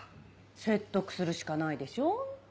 説得するしかないでしょ。